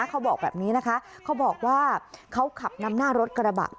เขาบอกแบบนี้นะคะเขาบอกว่าเขาขับนำหน้ารถกระบะ